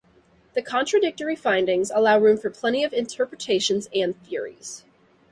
The contradictory findings allow room for plenty of interpretations and theories.